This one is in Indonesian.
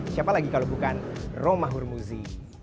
siapa lagi kalau bukan roma hurmuzi